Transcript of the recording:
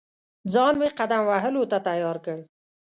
ځان مې قدم وهلو ته تیار کړ.